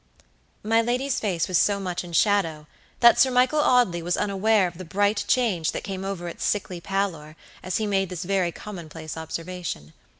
My lady's face was so much in shadow, that Sir Michael Audley was unaware of the bright change that came over its sickly pallor as he made this very commonplace observation.